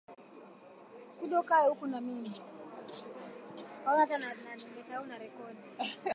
Damu kutoka kwenye ngozi na puani ni dqlili ya ugonjwa wa ndorobo